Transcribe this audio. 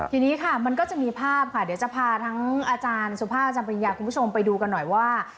ทีนี้ค่ะมันก็จะมีภาพค่ะเดี๋ยวจะพาทั้งอาจารย์สุภาพอาจารย์ปริญญาคุณผู้ชมไปดูกันหน่อยว่า